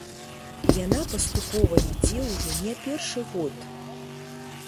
Яна паступова ідзе ўжо не першы год.